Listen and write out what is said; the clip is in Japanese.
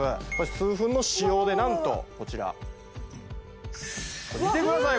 数分の使用で何とこちら見てください